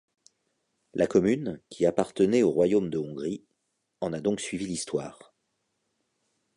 La commune, qui appartenait au royaume de Hongrie, en a donc suivi l'histoire.